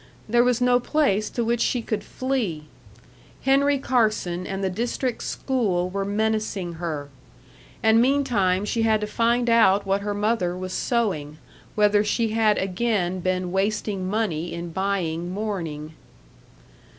There was no place to which she could flee. Henry Carson and the district school were menacing her. And meantime she had to find out what her mother was sewing whether she had again been wasting money in buying mourning.